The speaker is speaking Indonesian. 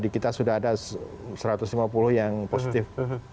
kita sudah ada satu ratus lima puluh yang positif